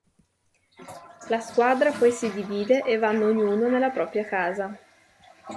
La squadra poi si divide e vanno ognuno nella propria casa.